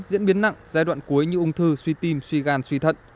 diễn biến nặng giai đoạn cuối như ung thư suy tim suy gan suy thận